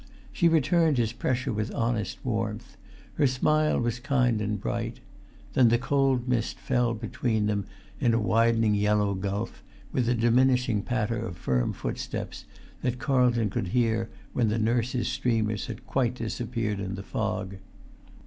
She returned his pressure with honest warmth; her smile was kind and bright; then the cold mist fell between them in a widening yellow gulf, with a diminishing patter of firm footsteps, that Carlton could hear when the nurse's streamers had quite disappeared in the fog.